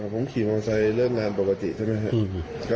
ผมขี่มอไซค์เริ่มงานปกติใช่ไหมครับ